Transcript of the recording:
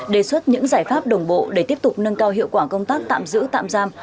đề xuất những giải pháp đồng bộ để tiếp tục nâng cao hiệu quả công tác tạm giữ tạm giam